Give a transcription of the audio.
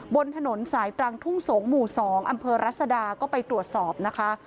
บนถนนสายตรังทุ่งสงศ์หมู่๒อำเภอรัศดาก็ไปตรวจสอบนะคะ